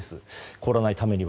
凍らないためには。